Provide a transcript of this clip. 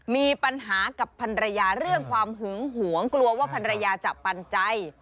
มีปัญหากับพันรยาเรื่องความหึงหวงกลัวว่าพันรยาจะปันใจ